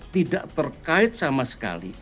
tidak terkait sama sekali